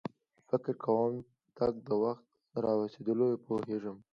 فکر کوم د تګ وخت را ورسېد، پوهېږم.